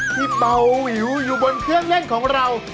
ที่เบาวิวอยู่บนเครื่องเล่นของเรา